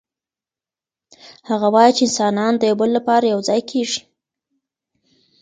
هغه وايي چي انسانان د يو بل لپاره يو ځای کيږي.